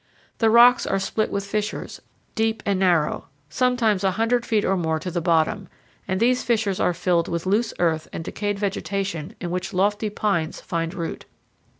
The rocks are split with fissures, deep and narrow, sometimes a hundred feet or more to the bottom, and these fissures are filled with loose earth and decayed vegetation in which lofty pines find root.